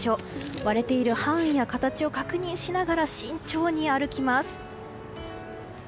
割れている範囲や形を確認しながら慎重に歩きます。